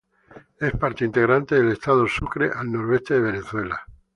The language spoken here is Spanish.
Es parte integrante del Estado Sucre al noroeste de Venezuela.